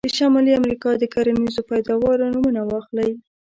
د شمالي امریکا د کرنیزو پیداوارو نومونه واخلئ.